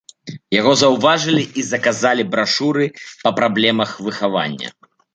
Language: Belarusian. Яго заўважылі і заказалі брашуры па праблемах выхавання.